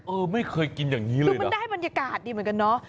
เออไม่เคยกินอย่างนี้เลยคือมันได้บรรยากาศดีเหมือนกันเนาะ